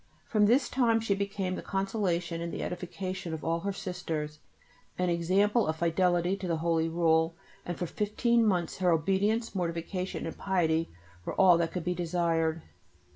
From this time she became the consolation and the edification of all her Sisters, an example of fidelity to the holy Rule, and for fifteen months her obedience, mortification, and piety were all that could be desired.